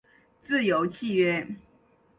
自由契约。